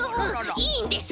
いいんです！